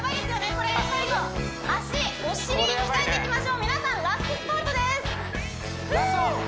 これ最後脚お尻鍛えていきましょう皆さんラストスパートですふうラスト！